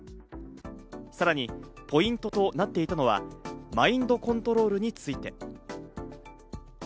さらにポイントとなっていたのはマインドコントロールについて。